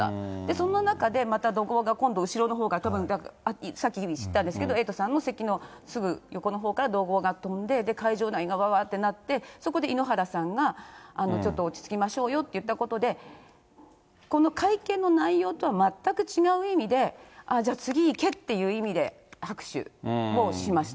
そんな中で、今度怒号が、後ろのほうから、さっき知ったんですけど、エイトさんの席のすぐ横のほうから怒号が飛んで、会場内がわあわあってなって、そこで井ノ原さんが、ちょっと落ち着きましょうよって言ったことで、この会見の内容とは全く違う意味で、じゃあ、次いけっていう意味で拍手をしました。